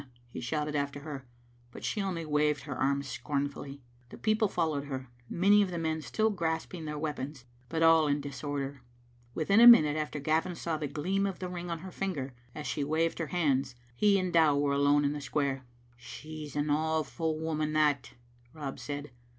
he shouted after her, but she only waved her arms scornfully. The people followed her, many of the men still grasping their weapons, but all in disor der. Within a minute after Gavin saw the gleam of the ring on her finger, as she waved her hands, he and Dow were alone in the square. " She's an awfu' woman that," Rob said.